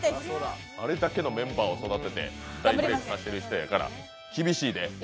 あれだけのメンバーを育てて大ブレークさせてる人やから厳しいで。